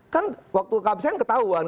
kan waktu kehabisan ketahuan